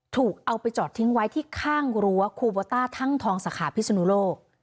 ถูกเอาไปจอดทิ้งไว้ที่ข้างรั้วคูโบต้าทั่งทองสาขาพิศนุโลก